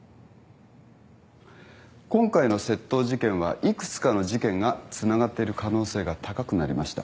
今回の窃盗事件は幾つかの事件がつながっている可能性が高くなりました。